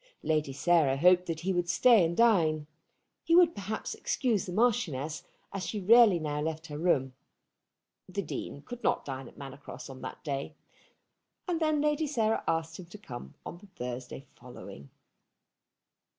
Lady Sarah hoped that he would stay and dine. He would perhaps excuse the Marchioness, as she rarely now left her room. The Dean could not dine at Manor Cross on that day, and then Lady Sarah asked him to come on the Thursday following.